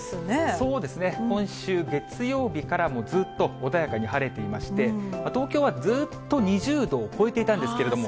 そうですね、今週月曜日からずっと穏やかに晴れていまして、東京はずっと２０度を超えていたんですけれども。